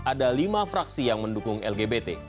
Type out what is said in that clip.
ada lima fraksi yang mendukung lgbt